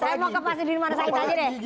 saya mau ke pak sudirman said aja deh